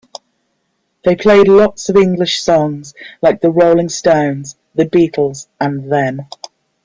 They played lots of English songs, like the Rolling Stones, the Beatles and Them.